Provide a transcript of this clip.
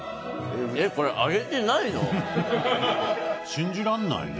信じられないね。